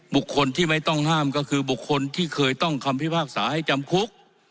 บุคคลที่ไม่ต้องห้ามก็คือบุคคลที่เคยต้องคำพิพากษาให้จำคุก